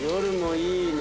いいね。